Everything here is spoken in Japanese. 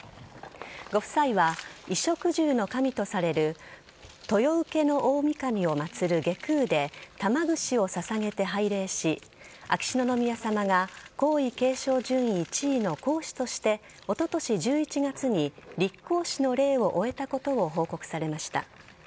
ご夫妻は、衣食住の神とされる豊受大神を祭る外宮で玉串を捧げて拝礼し秋篠宮さまが皇位継承順位１位の皇嗣としておととし１１月に立皇嗣の礼を終えたことを報告されました。